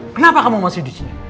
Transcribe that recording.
kenapa kamu masih disini